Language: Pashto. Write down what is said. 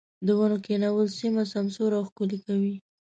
د ونو کښېنول سيمه سمسوره او ښکلې کوي.